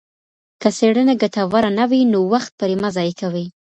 که څېړنه ګټوره نه وي نو وخت پرې مه ضایع کوئ.